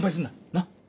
なっ。